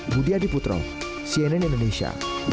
budi adiputro cnn indonesia